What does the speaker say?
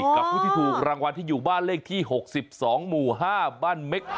กับผู้ที่ถูกรางวัลที่อยู่บ้านเลขที่๖๒หมู่๕บ้านเม็ก